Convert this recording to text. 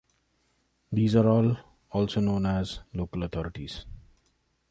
These are all also known as "local authorities".